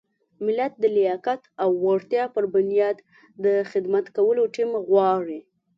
ملت د لیاقت او وړتیا پر بنیاد د خدمت کولو ټیم غواړي.